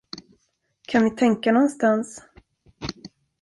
Kan vi tänka någonstans?